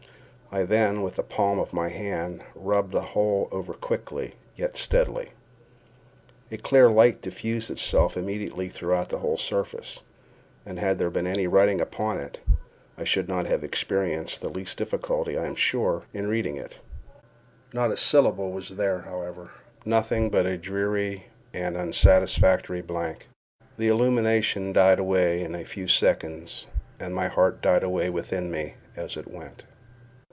I then, with the palm of my hand, rubbed the whole over quickly, yet steadily. A clear light diffused itself immediately throughout the whole surface; and had there been any writing upon it, I should not have experienced the least difficulty, I am sure, in reading it. Not a syllable was there, however—nothing but a dreary and unsatisfactory blank; the illumination died away in a few seconds, and my heart died away within me as it went.